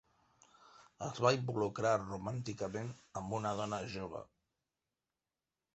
Es va involucrar romànticament amb una dona jove.